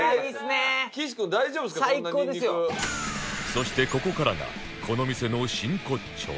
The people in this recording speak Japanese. そしてここからがこの店の真骨頂